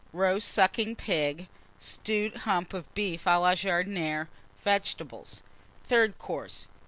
Roast Sucking Pig. Stewed Hump of Beef à la Jardinière. Vegetables. THIRD COURSE.